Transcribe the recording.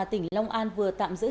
tỉnh long an vừa tạm giữ hình